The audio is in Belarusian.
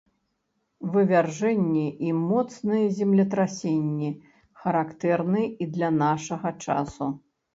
Вывяржэнні і моцныя землетрасенні характэрны і для нашага часу.